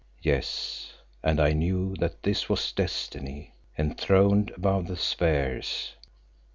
Yes, and I knew that this was Destiny enthroned above the spheres.